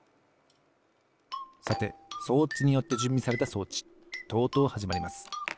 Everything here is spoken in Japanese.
さて装置によってじゅんびされた装置とうとうはじまります。